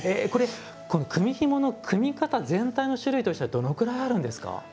組みひもの組み方全体の種類としてはどのくらいあるんですか？